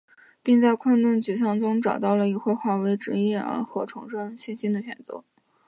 并在困顿沮丧中找到了以绘画为职业和重振信心的选择。